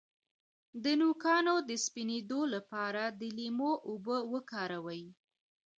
د نوکانو د سپینیدو لپاره د لیمو اوبه وکاروئ